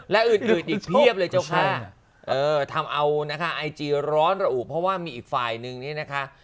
และอื่นอีกเพียบเลยทำเอาไอจีร้อนระอุเพราะว่ามีอีกไฟล์นึงนี่นะคะ